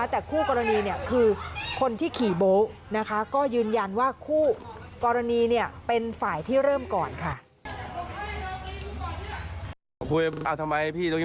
แต่คู่กรณีเนี่ยคือคนที่ขี่โบ๊ะนะคะก็ยืนยันว่าคู่กรณีเนี่ยเป็นฝ่ายที่เริ่มก่อนค่ะ